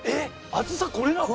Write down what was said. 厚さこれなの？